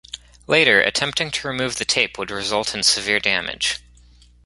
Later, attempting to remove the tape would result in severe damage.